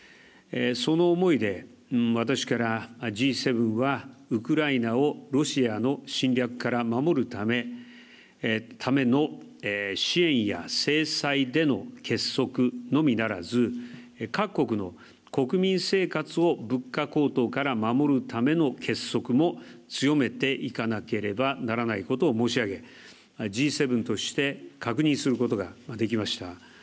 その思いで私からＧ７はウクライナをロシアの侵略から守るための支援や制裁での結束のみならず各国の国民生活を物価高騰から守るための結束も強めていかなければならないことを申し上げ、Ｇ７として確認することができました。